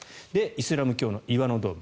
イスラム教の岩のドーム。